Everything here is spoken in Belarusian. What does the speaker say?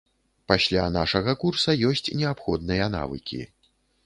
Пасля нашага курса ёсць неабходныя навыкі.